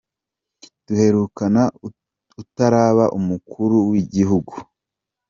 Duherukana utaraba umukuru wigihugu.